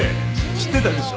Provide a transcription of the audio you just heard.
知ってたでしょ？